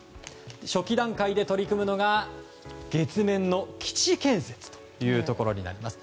初期段階で取り組むのが月面の基地建設となります。